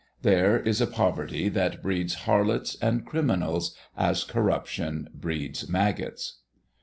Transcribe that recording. This is a poverty that breeds harlots and criminals as corruption breeds maggots.